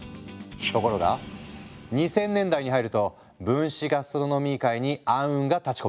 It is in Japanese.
ところが２０００年代に入ると分子ガストロノミー界に暗雲が立ちこめる。